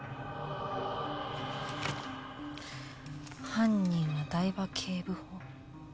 犯人は台場警部補？